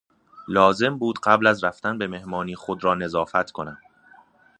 لازم بود قبل از رفتن به مهمانی خود را نظافت کنم.